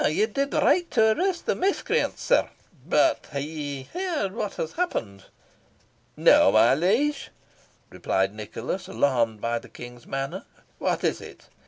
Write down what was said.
"Ye did right to arrest the miscreants, sir," said James. "But hae ye heard what has happened?" "No, my liege," replied Nicholas, alarmed by the King's manner; "what is it?"